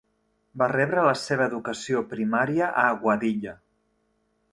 Va rebre la seva educació primària a Aguadilla.